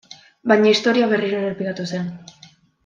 Baina historia berriro errepikatu zen.